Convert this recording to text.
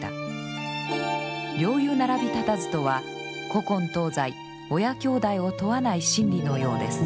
「両雄並び立たず」とは古今東西親兄弟を問わない真理のようです。